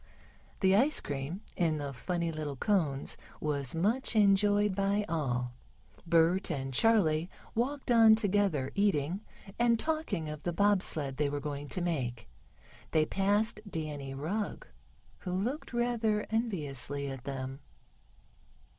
The ice cream in the funny little cones was much enjoyed by all. Bert and Charley walked on together eating, and talking of the bob sled they were going to make. They passed Danny Rugg, who looked rather enviously at them.